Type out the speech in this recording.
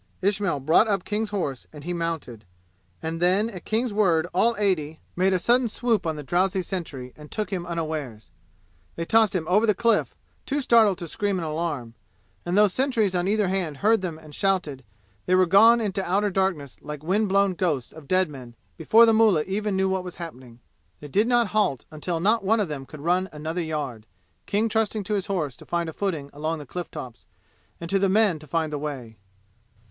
Ismail brought up King's horse and he mounted. And then at King's word all eighty made a sudden swoop on the drowsy sentry and took him unawares. They tossed him over the cliff, too startled to scream an alarm; and though sentries on either hand heard them and shouted, they were gone into outer darkness like wind blown ghosts of dead men before the mullah even knew what was happening. They did not halt until not one of them could run another yard, King trusting to his horse to find a footing along the cliff tops, and to the men to find the way.